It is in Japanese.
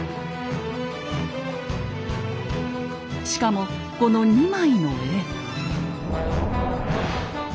しかもこの２枚の絵。